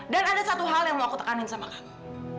dan ada satu hal yang mau aku tekanin sama kamu